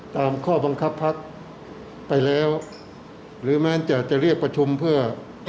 ตามข้อบังคับพักไปแล้วหรือแม้จะจะเรียกประชุมเพื่อ